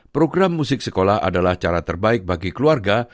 program musik sekolah adalah cara terbaik bagi keluarga